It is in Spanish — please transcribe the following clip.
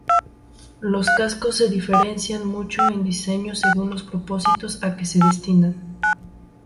Los cascos se diferencian mucho en diseño según los propósitos a que se destinan.